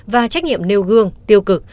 và trách nhiệm nêu gương tiêu cực